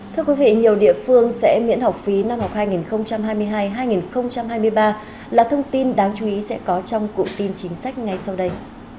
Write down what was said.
thưa quý vị nhiều địa phương sẽ miễn học phí năm học hai nghìn hai mươi hai hai nghìn hai mươi ba là thông tin đáng chú ý sẽ có trong cụm tin chính sách ngay sau đây